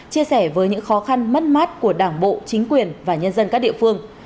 chia sẻ với những khó khăn mất mát của đảng bộ chính quyền và nhân dân các địa phương